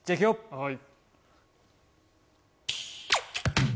はい。